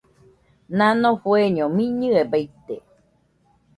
Nano fueño miñɨe baite.